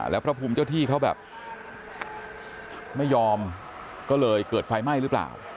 แล้วพระภูมิเจ้าที่เขาแบบไม่ยอมก็เลยเกิดไฟไหม้หรือเปล่า